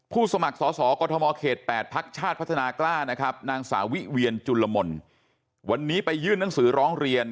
สมัครสอสอกรทมเขต๘พักชาติพัฒนากล้านะครับนางสาวิเวียนจุลมลวันนี้ไปยื่นหนังสือร้องเรียน